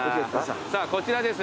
さあこちらです。